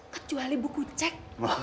kecuali buku cek